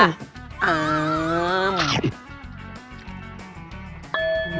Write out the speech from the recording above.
อ้าว